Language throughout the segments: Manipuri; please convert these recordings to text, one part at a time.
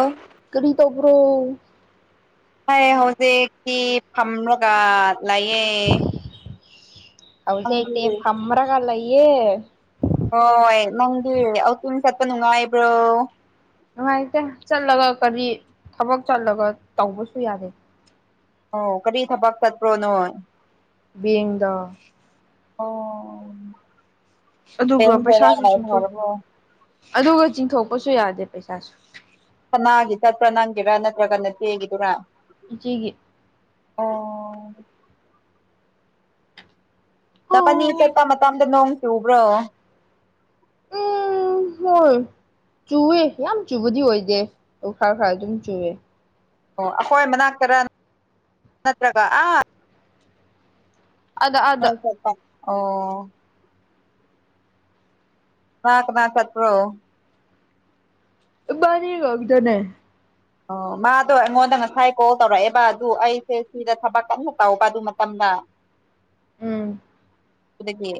ꯑꯣ ꯀꯔꯤ ꯇꯣꯕ꯭ꯔꯣ ꯑꯩ ꯍꯧꯖꯤꯛꯇꯤ ꯐꯝꯔꯒ ꯂꯩꯌꯦ ꯅꯪꯗꯤ ꯍꯧꯖꯤꯛꯇꯤ ꯐꯝꯔꯒ ꯂꯩꯌꯦ ꯍꯣꯏ ꯅꯪꯗꯤ ꯑꯀꯤꯝ ꯆꯠꯄ ꯅꯨꯡꯉꯥꯏꯕ꯭ꯔꯣ ꯅꯨꯡꯉꯥꯏꯇꯦ ꯆꯠꯂꯒ ꯀꯔꯤ ꯊꯕꯛ ꯆꯠꯂꯒ ꯇꯧꯕꯁꯨ ꯌꯥꯗꯦ ꯑꯣ ꯀꯔꯤ ꯊꯕꯛ ꯆꯠꯄ꯭ꯔꯣ ꯅꯣꯢ ꯕꯦꯡꯗ ꯑꯣ ꯑꯗꯨꯒ ꯄꯩꯁꯥꯁꯨ ꯆꯤꯡꯊꯣꯛ [unintelligible] ꯑꯗꯨꯒ ꯆꯤꯡꯊꯣꯛꯄꯁꯨ ꯌꯥꯗꯦ ꯄꯩꯁꯥꯁꯨ ꯀꯅꯥꯒꯤ ꯆꯠꯅ꯭ꯔꯥ ꯅꯪꯒꯤꯔꯥ ꯅꯠꯇ꯭ꯔꯒ ꯅꯆꯦꯒꯤꯗꯨꯔꯥ ꯢꯆꯦꯒꯤ ꯑꯣ ꯅꯕꯥꯟꯅꯤ ꯑꯣ ꯆꯠꯄ ꯃꯇꯝꯗ ꯅꯣꯡ ꯆꯨꯕ꯭ꯔꯣ ꯎꯝ ꯍꯣꯏ ꯆꯨꯋꯦ ꯌꯥꯝ ꯆꯨꯕꯗꯤ ꯑꯣꯏꯗꯦ ꯑꯗꯨ ꯈꯔ ꯈꯔ ꯑꯗꯨꯝ ꯆꯨꯋꯦ ꯑꯣ ꯑꯈꯣꯏ ꯃꯅꯥꯛꯇꯔ ꯅꯠꯇ꯭ꯔꯒ ꯑꯥ ꯑꯥꯗ ꯑꯥꯗ ꯅꯣꯏ ꯆꯠꯄ ꯑꯣ ꯀꯅꯥ ꯀꯅꯥ ꯆꯠꯄ꯭ꯔꯣ ꯢꯕꯥꯟꯅꯤ ꯈꯛꯇꯅꯦ ꯑꯣ ꯃꯥꯗꯣ ꯑꯩꯉꯣꯟꯗ ꯉꯁꯥꯏ ꯀꯣꯜ ꯇꯧꯔꯛꯑꯦ ꯕ ꯑꯗꯨ ꯑꯩꯁꯦ ꯁꯤꯗ ꯊꯕꯛ ꯀꯟꯅ ꯇꯧꯕ ꯑꯗꯨ ꯃꯇꯝꯗ ꯎꯝ ꯑꯗꯨꯒꯤ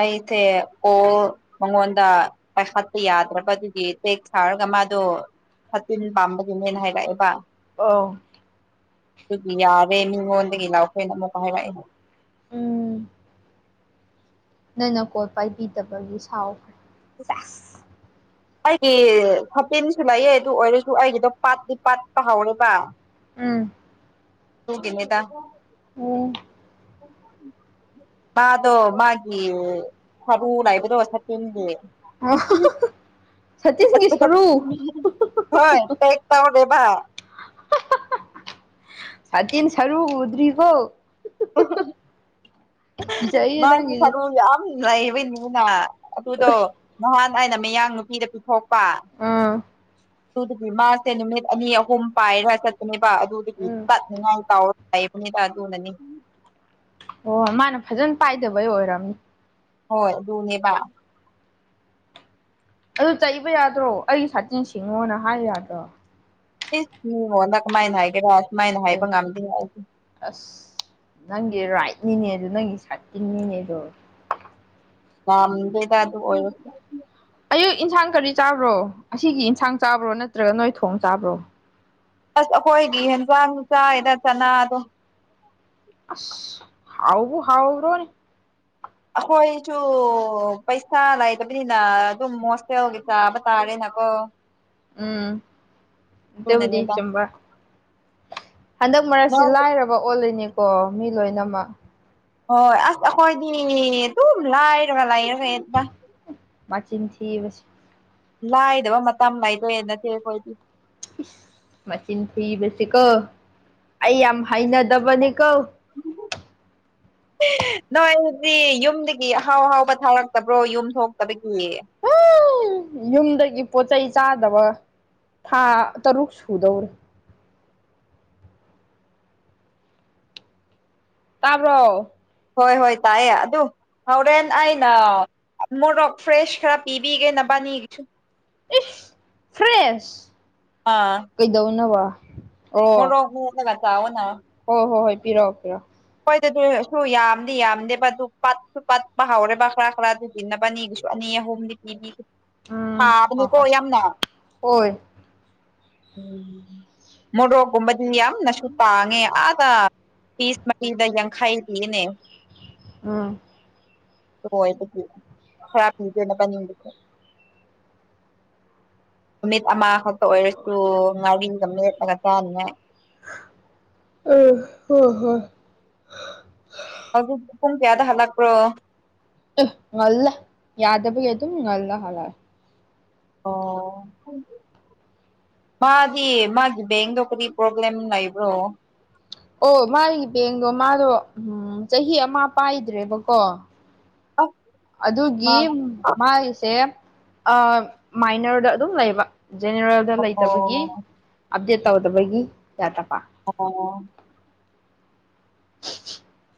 ꯑꯩꯁꯦ ꯀꯣꯜ ꯃꯉꯣꯟꯗ ꯄꯥꯢꯈꯠꯄ ꯌꯥꯗ꯭ꯔꯕ ꯑꯗꯨꯒꯤ ꯇꯦꯛꯁ ꯊꯥꯔꯒ ꯃꯥꯗꯣ ꯁꯥꯇꯤꯟ ꯄꯥꯝꯕꯒꯤꯅꯦꯅ ꯍꯥꯏꯔꯛꯑꯦꯕ ꯑꯣ ꯑꯗꯨꯒꯤ ꯌꯥꯔꯦ ꯃꯤꯉꯣꯟꯗꯒꯤ ꯂꯥꯛꯈ꯭ꯔꯦꯅ ꯑꯃꯨꯛꯀ ꯍꯥꯏꯔꯛꯑꯦꯅꯦ ꯎꯝ ꯅꯪꯅ ꯀꯣꯜ ꯄꯥꯏꯕꯤꯗꯕꯒꯤ ꯁꯥꯎꯈ꯭ꯔꯦ ꯁꯦꯁ ꯑꯩꯒꯤ ꯍꯥꯄꯦꯟꯁꯨ ꯂꯩꯌꯦ ꯑꯗꯨ ꯑꯣꯏꯔꯁꯨ ꯑꯩꯒꯤꯗꯣ ꯄꯥꯠꯗꯤ ꯄꯥꯠꯄ ꯍꯧꯔꯦꯕ ꯎꯝ ꯇꯨꯒꯤꯅꯦꯗ ꯑꯣ ꯃꯥꯗꯣ ꯃꯥꯒꯤ ꯁꯔꯨ ꯂꯩꯕꯗꯣ ꯁꯇꯤꯟꯒꯤ ꯑꯣ [unintelligible] ꯁꯥꯇꯤꯟꯁꯤꯡꯒꯤ ꯁꯔꯨ ꯍꯣꯏ ꯄꯦꯛ ꯇꯧꯔꯦꯕ ꯁꯥꯇꯤꯟ ꯁꯔꯨ ꯎꯗ꯭ꯔꯤꯕꯣ ꯀꯤꯖꯩꯌꯦ ꯃꯥꯖꯨ ꯅꯪꯒꯤꯗꯤ ꯊꯕꯛ ꯌꯥꯝ ꯂꯩꯕꯩꯅꯤꯅ ꯑꯗꯨꯗꯣ ꯅꯍꯥꯟ ꯑꯩꯅ ꯃꯌꯥꯡ ꯅꯨꯄꯤꯗ ꯄꯤꯊꯣꯛꯄ ꯑꯥ ꯑꯗꯨꯗꯨꯒꯤ ꯃꯥꯁꯦ ꯅꯨꯃꯤꯠ ꯑꯅꯤ ꯑꯍꯨꯝ ꯄꯥꯏꯔ ꯆꯠꯄꯅꯦꯕ ꯑꯗꯨꯗꯒꯤ ꯎꯝ ꯆꯠꯅꯤꯡꯉꯥꯏ ꯇꯧꯔ ꯂꯩꯕꯅꯤꯗ ꯑꯗꯨꯅꯅꯤ ꯑꯣ ꯃꯥꯅ ꯐꯖꯅ ꯄꯥꯏꯗꯕꯩ ꯑꯣꯏꯔꯝꯅꯤ ꯍꯣꯏ ꯑꯗꯨꯅꯦꯕ ꯑꯗꯨ ꯆꯩꯕ ꯌꯥꯗ꯭ꯔꯣ ꯑꯩ ꯁꯥꯇꯤꯟ ꯁꯤꯡꯉꯣꯅ ꯍꯥꯌ ꯌꯥꯗ꯭ꯔꯣ ꯏꯁ ꯃꯤꯉꯣꯟꯗ ꯀꯃꯥꯏꯅ ꯍꯥꯏꯒꯦꯔꯥ ꯁꯨꯃꯥꯏꯅ ꯍꯥꯏꯕ ꯑꯦ ꯉꯝꯗꯦ ꯑꯩ ꯑꯁ ꯅꯪꯒꯤ ꯔꯥꯏꯠꯅꯤꯅꯦ ꯑꯗꯨ ꯅꯪꯒꯤ ꯁꯥꯇꯤꯟꯅꯤꯅꯦ ꯑꯗꯣ ꯌꯥꯝꯗꯦꯗ ꯑꯗꯨ ꯑꯣꯏꯔꯁꯨ ꯏꯟꯁꯥꯡ ꯀꯔꯤ ꯆꯥꯕ꯭ꯔꯣ ꯑꯁꯤꯒꯤ ꯏꯟꯁꯥꯡ ꯆꯥꯕ꯭ꯔꯣ ꯅꯠꯇ꯭ꯔꯒ ꯅꯣꯏ ꯊꯣꯡ ꯆꯥꯕ꯭ꯔꯣ ꯑꯥꯁ ꯑꯩꯈꯣꯏꯗꯤ ꯍꯦꯟꯖꯥꯡ ꯆꯥꯏꯗ ꯆꯅꯥꯗꯣ ꯑꯥꯁ ꯍꯥꯎꯕꯨ ꯍꯥꯎꯔꯣꯢꯅꯦ ꯑꯩꯈꯣꯏꯁꯨ ꯄꯩꯁꯥ ꯂꯩꯇꯕꯅꯤꯅ ꯑꯗꯨꯝ ꯍꯣꯁꯇꯦꯜꯒꯤ ꯆꯥꯕ ꯇꯥꯔꯦꯅ ꯑꯥꯍꯣ ꯎꯝ ꯑꯗꯨꯕꯨꯗꯤ ꯑꯗꯨꯅꯅꯤꯗ ꯆꯨꯝꯕ ꯍꯟꯗꯛ- ꯃꯔꯛꯁꯤ ꯅꯪ ꯂꯥꯏꯔꯕ ꯑꯣꯜꯂꯤꯅꯤꯀꯣ ꯃꯤ ꯂꯣꯏꯅꯃꯛ ꯍꯣꯢ ꯑꯥꯁ ꯑꯈꯣꯏꯗꯤ ꯗꯨꯝ ꯂꯥꯏꯔꯒ ꯂꯥꯏꯔꯅꯤꯗ ꯃꯆꯤꯟ ꯊꯤꯕꯁꯤ ꯂꯥꯏꯗꯕ ꯃꯇꯝ ꯂꯥꯏꯗꯦꯗ ꯅꯆꯦ ꯑꯩꯈꯣꯏꯗꯤ ꯃꯆꯤꯟ ꯊꯤꯕꯁꯦ ꯀꯣ ꯑꯩ ꯌꯥꯝ ꯍꯩꯅꯗꯕꯅꯤ ꯀꯣ INAUDIBLE ꯅꯣꯏ ꯍꯧꯖꯤꯛ ꯌꯨꯝꯗꯒꯤ ꯑꯍꯥꯎ- ꯑꯍꯥꯎꯕ ꯊꯥꯔꯛꯇꯕ꯭ꯔꯣ ꯌꯨꯝ ꯊꯣꯛꯇꯕꯒꯤ INAUDIBLE ꯌꯨꯝꯗꯒꯤ ꯄꯣꯠ ꯆꯩꯩ ꯆꯥꯗꯕ ꯊꯥ ꯇꯔꯨꯛ ꯁꯨꯗꯧꯔꯦ ꯇꯥꯕ꯭ꯔꯣ ꯍꯣꯏ ꯍꯣꯏ ꯇꯥꯢꯑꯦ ꯑꯗꯨ ꯍꯣꯔꯦꯟ ꯑꯩꯅꯥ ꯃꯣꯔꯣꯛ ꯐ꯭ꯔꯦꯁ ꯈꯔ ꯄꯤꯕꯤꯒꯦ ꯅꯕꯥꯅꯤꯒꯤꯁꯨ ꯏꯁ ꯐ꯭ꯔꯦꯁ ꯑꯥ ꯀꯩꯗꯧꯅꯕꯥ ꯃꯣꯔꯣꯛ ꯃꯦꯠꯂꯒꯥ ꯆꯥꯑꯣꯅꯥ ꯍꯣ ꯍꯣꯏ ꯍꯣꯏ ꯄꯤꯔꯛꯑꯣ ꯄꯤꯔꯛꯑꯣ ꯑꯩꯈꯣꯏꯗꯗꯤ ꯁꯨ ꯌꯥꯝꯗꯤ- ꯌꯥꯝꯗꯦꯕ ꯑꯗꯨ ꯄꯠꯁꯨ- ꯄꯠꯄ ꯍꯧꯔꯦꯕ ꯈꯔ ꯈꯔ ꯑꯗꯨ ꯅꯕꯅꯤꯒꯤꯁꯨ ꯑꯅꯤ ꯅꯤ ꯍꯨꯝꯗꯤ ꯄꯤꯕꯤꯒꯦ ꯎꯝ ꯍꯣꯏ ꯁꯥꯕꯅꯤꯀꯣ ꯌꯥꯝꯅ ꯍꯣꯏ ꯍꯣꯏ ꯎꯝ ꯃꯣꯔꯣꯛꯀꯨꯝꯕꯗꯤ ꯌꯥꯝꯅꯁꯨ ꯇꯥꯡꯉꯦ ꯑꯥꯗꯥ ꯄꯤꯆ ꯃꯔꯤꯗ ꯌꯥꯡꯈꯩ ꯄꯤꯅꯦ ꯑꯪꯑꯥ ꯑꯗꯨ ꯑꯣꯏꯕꯒꯤ ꯈꯔ ꯄꯤꯒꯦ ꯅꯕꯥꯅꯤꯒꯤꯁꯨ ꯅꯨꯃꯤꯠ ꯑꯃꯈꯛꯇ ꯑꯣꯏꯔꯁꯨ ꯉꯥꯔꯤꯒ ꯃꯦꯠꯂꯒ ꯆꯥꯅꯤꯉꯥꯏ ꯑꯪ ꯍꯣꯏꯍꯣꯢ ꯍꯧꯖꯤꯛꯇꯤ ꯄꯨꯡ ꯀꯌꯥꯗ ꯍꯜꯂꯛꯄ꯭ꯔꯣ ꯑꯦ ꯉꯜꯂꯦ ꯌꯥꯗꯕꯒꯤ ꯑꯗꯨꯝ ꯉꯜꯂ ꯍꯜꯂꯛꯑꯦ ꯑꯣꯑꯣ ꯃꯥꯗꯤ ꯃꯥꯒꯤ ꯕꯦꯡꯗꯣ ꯀꯔꯤ ꯄ꯭ꯔꯣꯕ꯭ꯂꯦꯝ ꯂꯩꯕ꯭ꯔꯣ ꯑꯣ ꯃꯥꯒꯤ ꯕꯦꯡꯗꯣ ꯃꯥꯗꯣ ꯎꯝ ꯆꯍꯤ ꯑꯃ ꯄꯥꯏꯗ꯭ꯔꯦꯕꯀꯣ ꯑꯁ ꯃꯥ ꯑꯗꯨꯒꯤ ꯃꯥꯒꯤꯁꯦ ꯑꯥ ꯃꯥꯏꯅꯔꯗ ꯑꯗꯨꯝ ꯂꯩꯕ ꯖꯦꯅꯦꯔꯦꯜꯗ ꯂꯩꯇꯕꯒꯤ ꯑꯞꯗꯦꯠ ꯇꯧꯗꯕꯒꯤ ꯌꯥꯗꯕꯥ ꯑꯣ [unintelligible]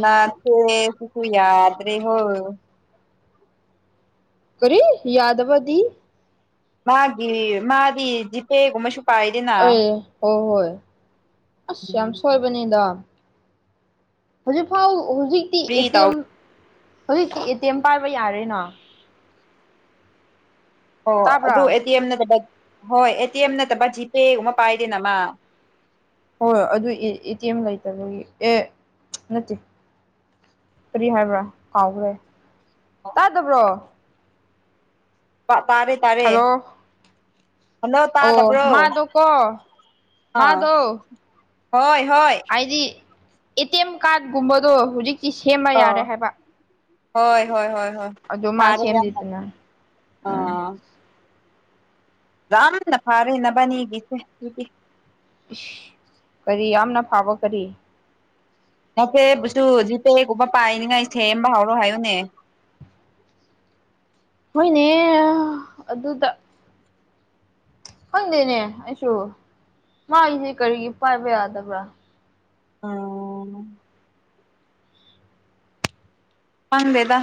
ꯅꯆꯦꯁꯤꯁꯨ ꯌꯥꯕꯅꯦ ꯍꯧ ꯀꯔꯤ ꯌꯥꯗꯕꯗꯤ ꯃꯥꯒꯤ ꯃꯥꯗꯤ ꯖꯤꯄꯦꯒꯨꯝꯕꯁꯨ ꯄꯥꯏꯗꯦꯅ ꯑꯦ ꯍꯣꯏ ꯍꯣꯏ ꯑꯁ ꯌꯥꯝ ꯁꯣꯏꯕꯅꯤꯗ ꯍꯧꯖꯤꯛꯐꯥꯎ ꯍꯧꯖꯤꯛꯇꯤ ꯐ꯭ꯔꯤ ꯑꯦꯇꯤ ꯇꯧ ꯑꯦꯝ ꯍꯧꯖꯤꯛꯇꯤ ꯑꯦ ꯇꯤ ꯑꯦꯝ ꯄꯥꯏꯕ ꯌꯥꯔꯦꯅ ꯑꯣ ꯇꯥꯕ꯭ꯔꯥ ꯑꯗꯨ ꯑꯦ ꯇꯤ ꯑꯦꯝ ꯅꯠꯇꯕ ꯍꯣꯏ ꯑꯦ ꯇꯤ ꯑꯦꯝ ꯅꯠꯇꯕ ꯖꯤꯄꯦꯒꯨꯝꯕ ꯄꯥꯏꯗꯦꯅ ꯃꯥ ꯍꯣꯏ ꯑꯗꯨ ꯑꯦ ꯇꯤ ꯑꯦꯝ ꯂꯩꯇꯕꯒꯤ ꯑꯦ ꯅꯠꯇꯦ ꯀꯔꯤ ꯍꯥꯏꯕ꯭ꯔꯥ ꯀꯥꯎꯈ꯭ꯔꯦ ꯇꯥꯗꯕ꯭ꯔꯣ ꯇꯥꯔꯦ ꯇꯥꯔꯦ ꯍꯜꯂꯣ ꯍꯜꯂꯣ ꯑꯣ ꯇꯥꯗꯕ꯭ꯔꯣ ꯃꯥꯗꯣ ꯀꯣ ꯑꯥ ꯃꯥꯗꯣ ꯍꯣꯏ ꯍꯣꯏ ꯍꯥꯏꯗꯤ ꯑꯦ ꯇꯤ ꯑꯦꯝ ꯀꯥꯔꯗꯒꯨꯝꯕꯗꯣ ꯍꯧꯖꯤꯛꯇꯤ ꯁꯦꯝꯕ ꯑꯥ ꯌꯥꯔꯦ ꯍꯥꯏꯕ ꯍꯣꯏ ꯍꯣꯏ ꯍꯣꯏ ꯍꯣꯏ ꯑꯗꯨ ꯃꯥ ꯐꯔꯦ ꯌꯝꯅ ꯁꯦꯝꯗꯦꯗꯅ ꯎꯝ ꯑꯥ ꯌꯝꯅ ꯐꯔꯦ ꯅꯕꯅꯤꯒꯤꯁꯦ ꯇꯨꯗꯤ ꯀꯔꯤ ꯌꯥꯝꯅ ꯐꯥꯕ ꯀꯔꯤ ꯅꯠꯆꯦꯕꯨꯁꯨ ꯖꯤꯄꯦꯒꯨꯝꯕ ꯄꯥꯏꯅꯤꯉꯥꯏ ꯁꯦꯝꯕ ꯍꯧꯔꯣ ꯍꯥꯏꯌꯨꯅꯦ [inaudible] ꯍꯣꯏꯅꯦ ꯑꯗꯨꯗ ꯈꯪꯗꯦꯅꯦ ꯑꯩꯁꯨ ꯃꯥꯒꯤꯁꯦ ꯀꯔꯤꯒꯤ ꯄꯥꯏꯕ ꯌꯥꯗꯕ꯭ꯔꯥ ꯑꯝ ꯈꯪꯗꯦꯗ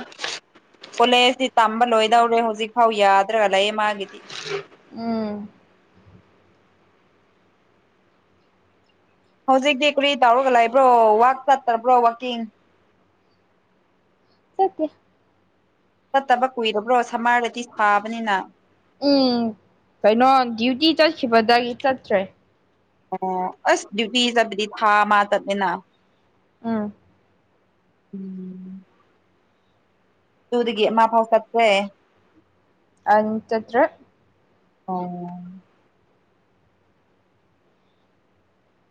ꯀꯣꯂꯦꯖꯇꯤ ꯇꯝꯕ ꯂꯣꯏꯗꯧꯔꯦ ꯍꯧꯖꯤꯛ ꯐꯥꯎ ꯌꯥꯗ꯭ꯔꯒ ꯂꯩꯌꯦ ꯃꯥꯒꯤꯗꯤ ꯎꯝ ꯍꯧꯖꯤꯛꯇꯤ ꯀꯨꯔꯤ ꯇꯧꯔꯒ ꯂꯩꯏꯕ꯭ꯔꯣ ꯋꯥꯛ ꯆꯠꯇꯕ꯭ꯔꯣ ꯋꯥꯛꯀꯤꯡ ꯆꯠꯇꯦ ꯆꯠꯇꯕ ꯀꯨꯏꯔꯕ꯭ꯔꯣ ꯁꯝꯃꯥꯔꯗꯗꯤ ꯁꯥꯕꯅꯤꯅ ꯎꯝ ꯀꯩꯅꯣ ꯗ꯭ꯌꯨꯇꯤ ꯆꯠꯈꯤꯕꯗꯒꯤ ꯆꯠꯇ꯭ꯔꯦ ꯑꯣ ꯑꯁ ꯗ꯭ꯌꯨꯇꯤ ꯆꯠꯄꯗꯤ ꯊꯥ ꯑꯃ ꯆꯠꯂꯦꯅ ꯎꯝ ꯎꯝ ꯇꯨꯗꯒꯤ ꯑꯃ ꯐꯥꯎ ꯆꯠꯇꯦ ꯑꯪ ꯆꯠꯇ꯭ꯔꯦ ꯑꯣ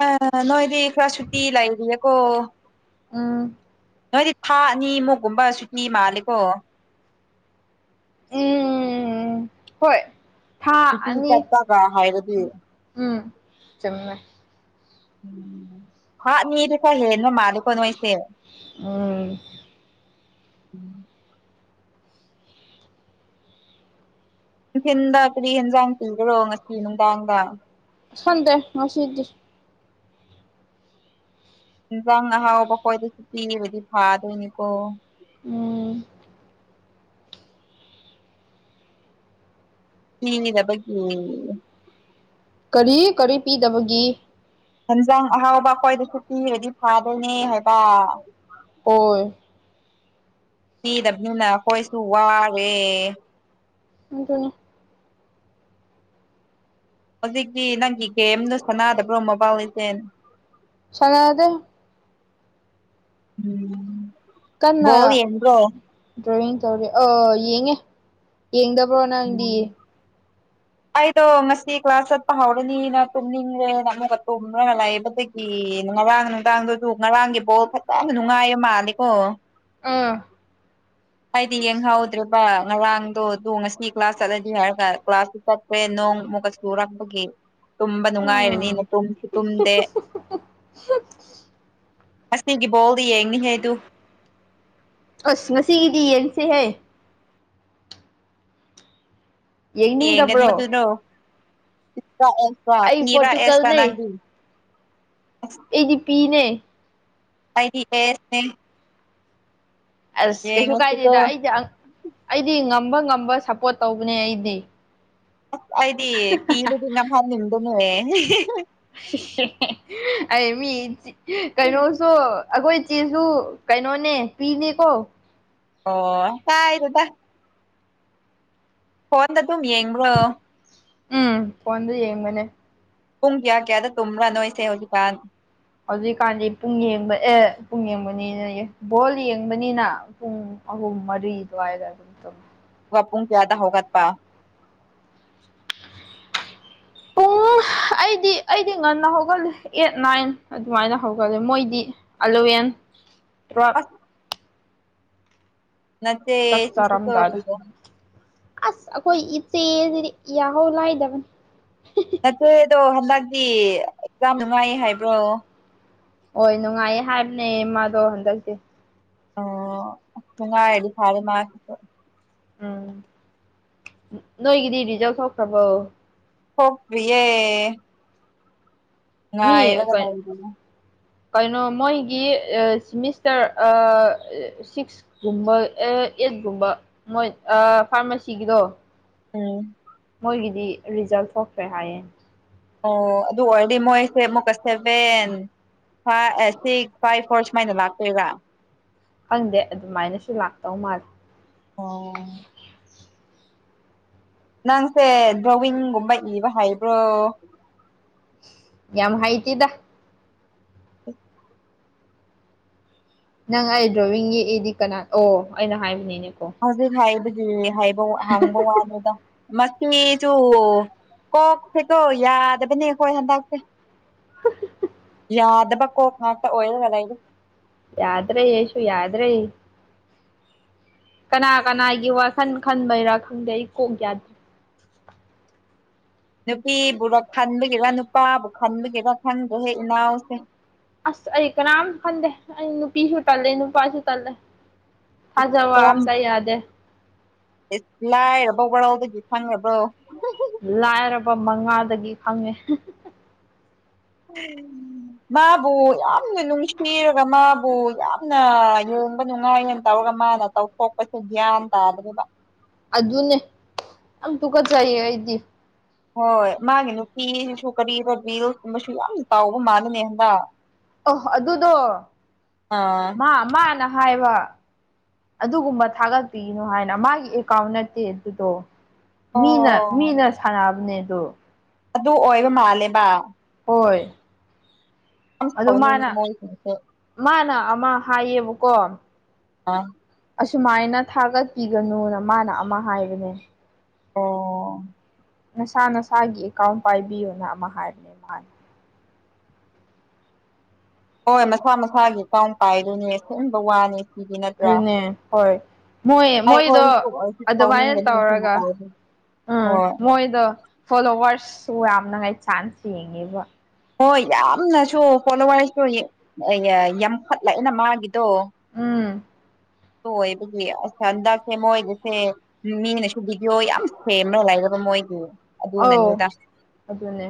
ꯑꯥ ꯅꯣꯏꯗꯤ ꯈꯔ ꯁꯨꯇꯤ ꯂꯏꯔꯤꯌꯦꯀꯣ ꯎꯝ ꯅꯣꯏꯗꯤ ꯊꯥ ꯑꯅꯤꯃꯨꯛꯀꯨꯝꯕ ꯁꯨꯇꯤ ꯃꯥꯜꯂꯦꯀꯣ ꯎꯝ ꯍꯣꯏ ꯊꯥ ꯁꯨꯇꯤ ꯑꯅꯤ ꯆꯠꯄꯒ ꯍꯥꯏꯔꯗꯤ ꯎꯝ ꯆꯨꯝꯃꯦ ꯊꯥ ꯑꯅꯤꯗꯤ ꯈꯔ ꯍꯦꯅꯕ ꯃꯥ ꯑꯩꯈꯣꯏ ꯅꯣꯏꯁꯦ ꯎꯝ ꯅꯨꯡꯊꯤꯟꯗ ꯀꯔꯤ ꯍꯦꯟꯖꯥꯡ ꯄꯤꯈ꯭ꯔꯣ ꯉꯁꯤ ꯅꯨꯡꯗꯥꯡꯗ ꯈꯪꯟꯗꯦ ꯉꯁꯤꯗꯤ ꯏꯟꯁꯥꯡ ꯑꯍꯥꯎꯕ ꯈꯣꯏꯗꯁꯨ ꯄꯤꯔꯕꯗꯤ ꯐꯗꯣꯏꯅꯤꯀꯣ ꯎꯝ ꯄꯤꯗꯕꯒꯤ ꯀꯔꯤ ꯀꯔꯤ ꯄꯤꯗꯕꯒꯤ ꯍꯦꯟꯖꯥꯡ ꯑꯍꯥꯎꯕ ꯑꯩꯈꯣꯏꯗꯁꯨ ꯄꯤꯔꯗꯤ ꯐꯗꯣꯏꯅꯦ ꯍꯥꯏꯕ ꯍꯣꯏ ꯄꯤꯗꯕꯅꯤꯅ ꯑꯩꯈꯣꯏꯁꯨ ꯋꯥꯔꯦ ꯑꯗꯨꯅꯤ ꯍꯧꯖꯤꯛꯇꯤ ꯅꯪꯒꯤ ꯒꯦꯝꯗꯨ ꯁꯥꯟꯅꯗꯕ꯭ꯔꯣ ꯃꯣꯕꯥꯏꯜ ꯂꯤꯁꯦꯟ ꯁꯟꯅꯗꯦ ꯎꯝ ꯕꯣꯜ ꯀꯟꯅ ꯌꯦꯡꯕꯔꯣ ꯗ꯭ꯔꯣꯋꯤꯡ ꯇꯧꯔꯦ ꯑꯥ ꯌꯦꯡꯉꯦ ꯌꯦꯡꯗꯕ꯭ꯔꯣ ꯅꯪꯗꯤ ꯑꯩꯗꯣ ꯉꯁꯤ ꯀ꯭ꯂꯥꯁ ꯆꯠꯄ ꯍꯧꯔꯅꯤꯅ ꯇꯨꯝꯅꯤꯡꯉꯦꯅ ꯇꯨꯝꯔꯒ ꯂꯩꯕꯗꯒꯤ ꯒꯤ ꯑꯦ ꯉꯔꯥꯡ ꯅꯨꯡꯗꯥꯡꯗꯨꯁꯨ ꯉꯔꯥꯡꯒꯤ ꯕꯣꯜ ꯐꯖꯅ ꯅꯨꯡꯉꯥꯏꯕ ꯃꯥꯂꯦꯀꯣ ꯑꯥ ꯍꯥꯏꯗꯤ ꯌꯦꯡꯍꯧꯗ꯭ꯔꯦꯕ ꯉꯔꯥꯡꯗꯣ ꯑꯗꯨ ꯉꯁꯤ ꯀ꯭ꯂꯥꯁ ꯆꯠꯂꯗꯤ ꯍꯥꯏꯔꯒ ꯀ꯭ꯂꯥꯁꯇꯨ ꯆꯠꯗ꯭ꯔꯦ ꯅꯣꯡ ꯑꯃꯨꯛꯀ ꯆꯨꯔꯛꯄꯒꯤ ꯇꯨꯝꯕ ꯅꯨꯡꯉꯥꯏꯔꯅꯤꯅ ꯎꯝ ꯇꯨꯝꯁꯨ ꯇꯨꯝꯗꯦ ꯑꯁꯅꯤꯒꯤ ꯕꯣꯜꯗꯤ ꯌꯦꯡꯅꯤꯍꯦꯗꯨ ꯑꯁ ꯉꯁꯤꯒꯤꯗꯤ ꯌꯦꯡꯁꯦꯍꯦ ꯌꯦꯒꯗꯤ ꯌꯦꯡꯅꯤꯡꯗꯕ꯭ꯔꯣ ꯑꯗꯨꯗꯣ ꯄꯤꯄꯥ ꯑꯦꯁ ꯑꯩ ꯄꯤꯋꯥ ꯑꯦꯁꯥ ꯄꯣꯔꯇꯨꯒꯜꯅꯦ ꯅꯪꯒꯤ ꯑꯩꯗꯤ ꯄꯤꯅꯦ ꯑꯩꯗꯤ ꯑꯦꯁꯅꯦ ꯑꯁ ꯀꯩꯁꯨ ꯌꯦꯡꯉꯁꯤꯀꯣ ꯀꯥꯏꯗꯦꯗ ꯑꯩꯗꯤ ꯑꯩꯗꯤ ꯉꯝꯕ ꯉꯝꯕ ꯁꯞꯄꯣꯔꯠ ꯇꯧꯕꯅꯦ ꯑꯩꯗꯤ ꯑꯁ ꯑꯩꯗꯤ ꯄꯤꯔꯗꯤ ꯅꯝꯍꯟ ꯅꯤꯡꯕꯅꯦ ꯑꯩ ꯃꯤ ꯀꯩꯅꯣꯁꯨ ꯑꯩꯈꯣꯏ ꯆꯦꯁꯨ ꯀꯩꯅꯣꯅꯦ ꯄꯤꯅꯦꯀꯣ ꯑꯣ ꯀꯥꯏꯗꯦꯗ ꯐꯣꯟꯗ ꯇꯨꯝ ꯌꯦꯡꯕ꯭ꯔꯣ ꯎꯝ ꯐꯣꯟꯗ ꯌꯦꯡꯕꯅꯦ ꯄꯨꯡ ꯀꯌꯥ ꯀꯌꯥꯗ ꯇꯨꯝꯕ꯭ꯔꯥꯅꯣꯏꯁꯦ ꯍꯧꯖꯤꯛꯀꯥꯟ ꯍꯧꯖꯤꯛꯀꯥꯟꯗꯤ ꯄꯨꯡ ꯌꯦꯡꯕ ꯑꯦ ꯄꯨꯡ ꯌꯦꯡꯕꯅꯤꯅ ꯕꯣꯜ ꯌꯦꯡꯕꯅꯤꯅ ꯄꯨꯡ ꯑꯍꯨꯝ ꯃꯔꯤ ꯑꯗꯨꯋꯥꯢ ꯑꯗꯨꯝ ꯇꯨꯝꯃꯦ ꯑꯗꯨꯒ ꯄꯨꯡ ꯀꯌꯥꯗ ꯍꯧꯒꯠꯄ ꯄꯨꯡ ꯑꯩꯗꯤ ꯑꯩꯗꯤ ꯉꯟꯅ ꯍꯧꯒꯠꯂꯦ ꯑꯦꯠ ꯅꯥꯏꯟ ꯑꯗꯨꯃꯥꯏꯅ ꯍꯧꯒꯠꯂꯦ ꯃꯣꯏꯗꯤ ꯑꯦꯂꯕꯦꯟ [inaudible] ꯇꯨꯌꯦꯞ ꯅꯆꯦ ꯆꯥꯛ ꯁꯤꯁꯨꯀꯣ ꯆꯥꯔꯝꯗꯥꯢꯗ ꯑꯁ ꯑꯩꯈꯣꯏ ꯏꯆꯦꯁꯤꯗꯤ ꯌꯥꯍꯧ ꯂꯥꯏꯗꯕꯅꯤ ꯅꯆꯦꯗꯣ ꯍꯟꯗꯛꯇꯤ ꯑꯦꯛꯖꯥꯝ ꯅꯨꯡꯉꯥꯏ ꯍꯥꯏꯕ꯭ꯔꯣ ꯍꯣꯏ ꯅꯨꯡꯉꯥꯏꯌꯦ ꯍꯥꯏꯕꯅꯦ ꯃꯥꯗꯣ ꯍꯟꯗꯛꯇꯤꯥ ꯑꯣ ꯅꯨꯉꯤꯢꯔꯗꯤ ꯐꯔꯦ ꯃꯥꯗꯣ ꯎꯝ ꯅꯣꯏꯒꯤꯗꯤ ꯔꯤꯖꯜ ꯊꯣꯛꯈ꯭ꯔꯕꯣ ꯊꯣꯛꯇ꯭ꯔꯤꯌꯦ ꯃꯤ ꯉꯥꯢꯔꯒ ꯂꯩꯔꯤꯌꯦ ꯀꯩꯅꯣ ꯃꯣꯏꯒꯤ ꯑ ꯁꯤꯃꯤꯁꯇꯔ ꯑꯥ ꯁꯤꯛꯁꯀꯨꯝꯕ ꯑꯦꯁ ꯒꯨꯨꯝꯕ ꯃꯣꯏ ꯑꯥ ꯐꯥꯔꯃꯥꯁꯤꯒꯤꯗꯣ ꯎꯝ ꯑꯗꯨꯒꯤꯗꯤ ꯔꯤꯖꯜ ꯊꯣꯛꯈ꯭ꯔꯦ ꯍꯥꯏꯌꯦ ꯑꯣ ꯑꯗꯨ ꯑꯣꯏꯔꯦꯗꯤ ꯃꯣꯏꯁꯦ ꯑꯃꯨꯛ ꯀ ꯁꯕꯦꯟ ꯍꯥ ꯑꯦ ꯁꯤꯛꯁ ꯐꯥꯏꯚ ꯐꯣꯔ ꯁꯨꯃꯥꯏꯅ ꯂꯥꯛꯇꯣꯏꯒ ꯈꯪꯗꯦ ꯑꯗꯨꯃꯥꯏꯅꯁꯨ ꯂꯥꯛꯇꯧ ꯃꯥꯜꯂꯦ ꯑꯣ ꯅꯪꯁꯦ ꯗ꯭ꯔꯣꯋꯤꯡꯒꯨꯝꯕ ꯏꯕ ꯍꯩꯕ꯭ꯔꯣ ꯌꯥꯝ ꯍꯩꯇꯦꯗ ꯅꯪ ꯑꯩ ꯗ꯭ꯔꯣꯋꯤꯡꯒꯤ ꯌꯦꯛꯏꯗꯤ ꯀꯅꯥ ꯑꯣ ꯑꯩꯅ ꯍꯥꯏꯕꯅꯤꯅꯦ ꯍꯧꯖꯤꯛ ꯍꯥꯏꯕꯗꯤ ꯍꯥꯏꯕ ꯍꯪꯕ ꯋꯥꯗꯨꯗ ꯃꯁꯤꯁꯨ ꯀꯣꯛꯁꯦ ꯀꯣ ꯌꯥꯗꯕꯅꯦ ꯑꯈꯣꯏ ꯍꯟꯗꯛꯁꯦ ꯌꯥꯗꯕ ꯀꯣꯛ ꯉꯥꯛꯇꯥ ꯑꯣꯢꯔꯒ ꯂꯩꯔꯦ ꯌꯥꯗ꯭ꯔꯦ ꯑꯩꯁꯨ ꯌꯥꯗ꯭ꯔꯦ ꯀꯅꯥ ꯀꯅꯥꯒꯤ ꯋꯥꯈꯟ ꯈꯟꯕꯩꯔꯥ ꯈꯪꯗꯦ ꯑꯩ ꯀꯣꯛ ꯌꯥꯗ꯭ꯔꯦ [inaudible] ꯅꯨꯄꯤꯕꯨꯔ ꯈꯟꯕꯒꯤꯔ ꯅꯨꯄꯥꯕꯨ ꯈꯟꯕꯒꯤꯔ ꯈꯪꯗ꯭ꯔꯦ ꯍꯦ ꯏꯅꯥꯎꯁꯦ ꯑꯁ ꯑꯩ ꯀꯅꯥꯝ ꯈꯟꯗꯦ ꯑꯩ ꯅꯨꯄꯤꯁꯨ ꯇꯜꯂꯦ ꯅꯨꯄꯥꯁꯨ ꯇꯜꯂꯦ ꯊꯖꯥꯕ ꯀꯔꯝ ꯑꯝꯇ ꯌꯥꯗꯦ ꯂꯥꯏꯔꯕ ꯋꯥꯔꯥꯎꯗꯒꯤ ꯈꯪꯉꯕ꯭ꯔꯣ ꯂꯥꯏꯔꯕ ꯃꯉꯥꯜꯗꯒꯤ ꯈꯪꯉꯦ ꯎ ꯃꯥꯕꯨ ꯌꯥꯝꯅ ꯅꯨꯡꯁꯤꯔꯒ ꯃꯥꯕꯨ ꯌꯥꯝꯅ ꯀꯨꯝꯕ ꯅꯨꯡꯉꯥꯏꯅ ꯇꯧꯔꯒ ꯃꯥꯅ ꯇꯧꯊꯣꯛꯄꯁꯦ ꯒ꯭ꯌꯥꯟ ꯇꯥꯗ꯭ꯔꯦꯕ ꯑꯗꯨꯅꯦ ꯌꯥꯝ ꯇꯨꯀꯠꯆꯩꯌꯦ ꯑꯩꯗꯤ ꯍꯣꯏ ꯃꯥꯒꯤ ꯅꯨꯄꯤꯁꯨ ꯀꯔꯤꯔ ꯔꯤꯁ ꯀꯨꯝꯕꯁꯨ ꯌꯥꯝꯅ ꯇꯧꯕ ꯃꯥꯜꯂꯦꯅꯦ ꯍꯟꯗꯛ ꯑꯣ ꯑꯗꯨꯗꯣ ꯑꯥ ꯃꯥ ꯃꯥꯅ ꯍꯥꯏꯕ ꯑꯗꯨꯒꯨꯝꯕ ꯊꯥꯒꯠꯄꯤꯅꯨ ꯍꯥꯏꯅ ꯃꯥꯒꯤ ꯑꯦꯀꯥꯎꯟ ꯅꯠꯇꯦ ꯑꯗꯨꯗꯣ ꯃꯤꯅ ꯑꯣ ꯃꯤꯅ ꯁꯥꯟꯅꯕꯅꯦ ꯑꯗꯨ ꯑꯗꯨ ꯑꯣꯏꯕ ꯃꯥꯜꯂꯦꯕ ꯍꯣꯏ ꯌꯥꯝ ꯑꯗꯨ ꯁꯥꯎꯅꯤꯡꯉꯤ ꯃꯥꯅ ꯃꯣꯏꯁꯤꯡꯁꯦ ꯃꯥꯅ ꯑꯃ ꯍꯥꯏꯌꯦꯕꯀꯣ ꯑꯥ ꯑꯁꯨꯃꯥꯏꯅ ꯊꯥꯒꯠꯄꯤꯒꯅꯨꯅ ꯃꯥꯅ ꯑꯃ ꯍꯥꯏꯕꯅꯦ ꯑꯣ ꯅꯁꯥ ꯅꯁꯥꯒꯤ ꯑꯦꯀꯥꯎꯟ ꯄꯥꯏꯕꯤꯌꯨꯅ ꯑꯃ ꯍꯥꯏꯕꯅꯦ ꯃꯥꯅ ꯍꯣꯏ ꯃꯁꯥ ꯃꯁꯥꯒꯤ ꯑꯦꯀꯥꯎꯟ ꯄꯥꯏꯗꯨꯏꯅꯦ ꯁꯦꯝꯕ ꯋꯥꯅꯤ ꯁꯤꯗꯤ ꯅꯠꯇ꯭ꯔꯥ ꯑꯗꯨꯅꯦ ꯍꯣꯏ ꯃꯣꯏ ꯃꯣꯏꯗꯣ ꯑꯩꯈꯣꯏꯁꯨ ꯑꯣꯏꯁꯨ ꯑꯗꯨꯃꯥꯏꯅ ꯁꯥꯎꯅꯤꯡꯒꯅꯤ ꯁꯤ ꯇꯧꯔꯒ ꯃꯇꯥꯎꯁꯦ ꯎꯝ ꯍꯣꯏ ꯃꯣꯏꯗ ꯐꯣꯂꯣꯋꯔꯁꯁꯨ ꯌꯥꯝꯅꯉꯥꯏ ꯆꯥꯟꯁ ꯌꯦꯡꯉꯤꯕ ꯍꯣꯏ ꯌꯥꯝꯅꯁꯨ ꯐꯣꯂꯣꯋꯥꯔꯁꯨ ꯌꯥꯝꯈꯠꯂꯛꯑꯦꯅ ꯃꯥꯒꯤꯗꯣ ꯎꯝ ꯍꯣꯢ ꯑꯗꯨꯒꯤ ꯍꯟꯗꯥꯛꯁꯦ ꯃꯣꯏꯒꯤꯁꯦ ꯃꯤꯅꯁꯨꯨ ꯕꯤꯗꯤꯌꯣ ꯌꯥꯝ ꯁꯦꯝꯂ ꯂꯩ ꯃꯣꯏꯒꯤ ꯑꯥꯎ ꯑꯗꯨꯅꯅꯤꯗ ꯑꯗꯨꯅꯦ